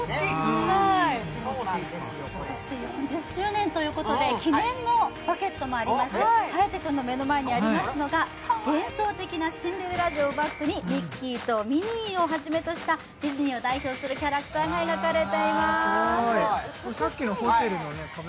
４０周年ということで記念のバゲットもありまして颯君の目の前にありますのが幻想的なシンデレラ城をバックにディズニーを代表するキャラクターが描かれています。